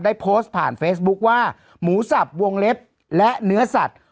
ได้โพสต์ผ่านเฟซบุ๊คว่าหมูสับวงเล็บและเนื้อสัตว์